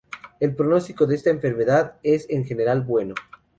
El pronóstico de esta enfermedad es en general bueno.